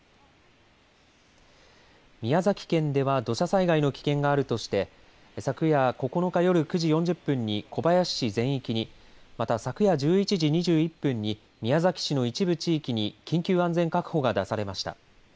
宮崎県では土砂災害の危険があるとして昨夜９日、夜９時４０分に小林市全域にまた昨夜１１時２１分に宮崎市の一部地域に緊急安全確保が出されました。